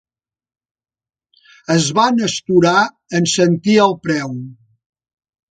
Es van astorar en sentir el preu.